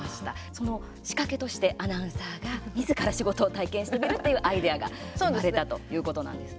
その仕掛けとしてアナウンサーがみずから仕事を体験してみるというアイデアが生まれたということなんです。